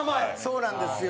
そうなんですよ。